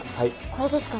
これですか？